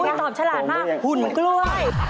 ตอบฉลาดมากหุ่นกล้วย